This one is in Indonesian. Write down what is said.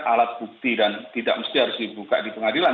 alat bukti dan tidak mesti harus dibuka di pengadilan